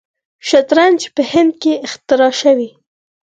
شطرنج په هند کې اختراع شوی.